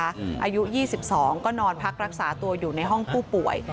อายุ๒๒ก็นอนพักรักษาตัวอยู่ในห้องผู้ป่วย